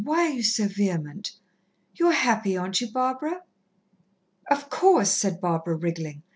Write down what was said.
why are you so vehement? You're happy, aren't you, Barbara?" "Of course," said Barbara, wriggling.